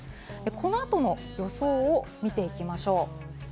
この後の予想を見ていきましょう。